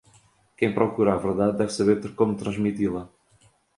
Quem procura a verdade deve saber como transmiti-la.